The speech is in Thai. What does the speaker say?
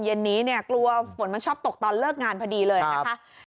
เย็นนี้เนี่ยกลัวฝนมันชอบตกตอนเลิกงานพอดีเลยนะคะ